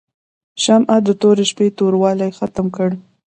شمعه د تورې شپې توروالی ختم کړ.